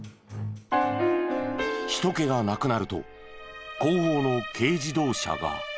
人けがなくなると後方の軽自動車が。